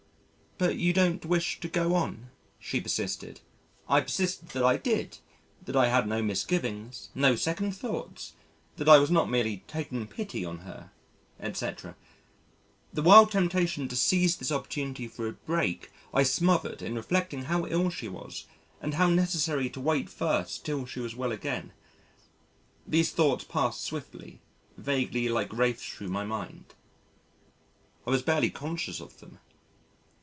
"But you don't wish to go on?" she persisted. I persisted that I did, that I had no misgivings, no second thoughts, that I was not merely taking pity on her, etc. The wild temptation to seize this opportunity for a break I smothered in reflecting how ill she was and how necessary to wait first till she was well again. These thoughts passed swiftly, vaguely like wraiths thro' my mind: I was barely conscious of them.